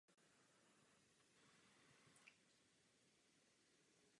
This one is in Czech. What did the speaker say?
Vysočanská je ražená trojlodní stanice pražského typu se zkrácenou délkou střední lodi.